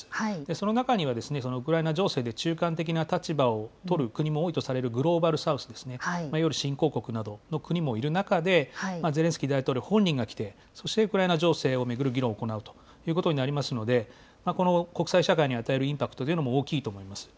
その中にはウクライナ情勢で中間的な立場を取る国も多いとされるグローバル・サウスですね、いわゆる新興国などの国もいる中で、ゼレンスキー大統領本人が来て、そしてウクライナ情勢を巡る議論を行うということになりますので、この国際社会に与えるインパクトというのも大きいと思います。